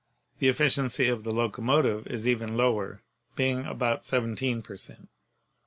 The efficiency of the locomotive is even lower, being about 17 per cent.